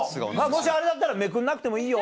もしあれだったらめくんなくてもいいよ。